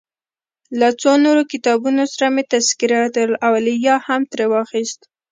له څو نورو کتابونو سره مې تذکرة الاولیا هم ترې واخیست.